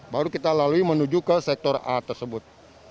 baru kita lalui menuju ke sektor a tersebut